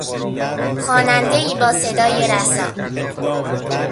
خوانندهای با صدای رسا